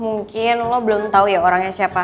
mungkin lo belum tahu ya orangnya siapa